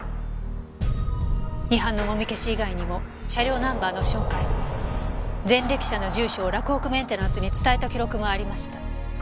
違反のもみ消し以外にも車両ナンバーの照会前歴者の住所を洛北メンテナンスに伝えた記録もありました。